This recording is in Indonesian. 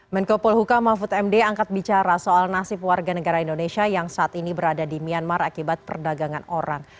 menko polhuka mahfud md angkat bicara soal nasib warga negara indonesia yang saat ini berada di myanmar akibat perdagangan orang